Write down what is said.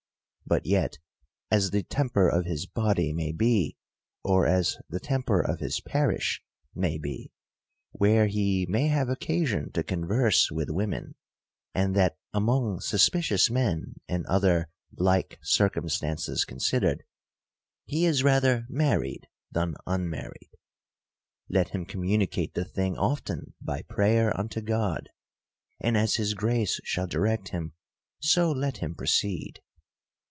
But yet, as the temper of his body may be, or as the temper of his parish may be, where he may have occasion to converse with women, and that among suspicious men, and other like circum stances considered, he is rather married than unmarried. Let him communicate the thing often by prayer unto God ; and as his grace shall direct him, so let him proceed.